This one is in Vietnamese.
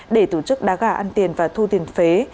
để tổ chức đá gà ăn tiền và thu tiền phế